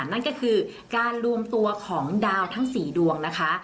นั่นก็คือการรวมตัวของดาวทั้ง๔ดวงนะคะ